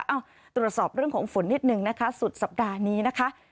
เอ้าตรวจสอบเรื่องของฝนนิดนึงนะคะสุดสัปดาห์นี้นะคะ